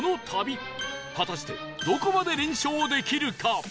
果たしてどこまで連勝できるか？